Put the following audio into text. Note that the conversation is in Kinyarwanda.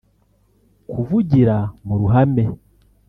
kuvugira mu ruhame